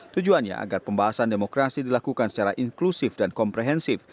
tujuannya agar pembahasan demokrasi dilakukan secara inklusif dan komprehensif